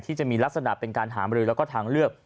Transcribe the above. ที่มีลักษณะเป็นการหามรือแล้วก็ทางเลือก